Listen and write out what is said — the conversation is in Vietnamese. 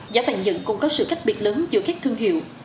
giá vàng nhẫn cũng có sự khác biệt lớn giữa các thương hiệu